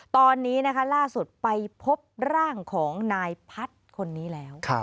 ตอนนี้นะคะล่าสุดไปพบร่างของนายพัฒน์คนนี้แล้ว